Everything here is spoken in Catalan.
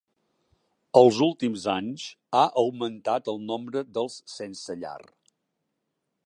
Els últims anys ha augmentat el nombre dels sensellar.